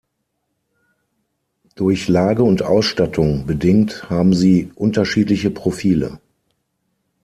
Durch Lage und Ausstattung bedingt haben sie unterschiedliche Profile.